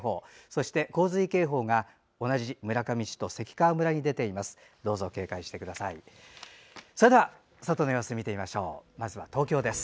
そして洪水警報が同じ村上市と関川村に出ています。